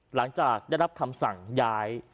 หลังจากได้รับคำสั่งย้าย